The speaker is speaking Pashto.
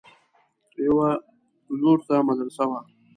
يوه لور ته مدرسه وه.